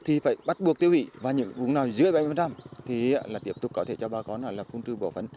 thì phải bắt buộc tiêu vị và những vùng nào dưới bảy mươi thì là tiếp tục có thể cho bà con là phòng trừ bảo phấn